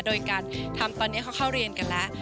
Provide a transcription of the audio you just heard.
โดยการทำตอนนี้เขาเข้าเรียนกันแล้ว